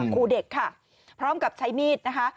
ครูเด็กค่ะพร้อมกับใช้มีดนะคะ